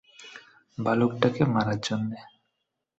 ভালুকটাকে মারার জন্যে।